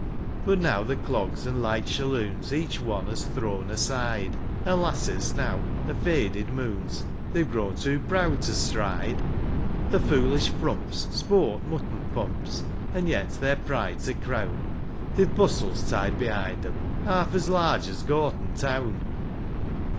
But now the clogs and light shalloons Each one has thrown aside, And lasses now are faded moons ; They're grown too proud to stride. The foolish frumps sport mutton pumps, And yet, their pride to crown, They've bustles tied behind 'em Half as large as Gorton town.